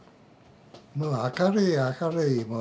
もう明るい明るいもう。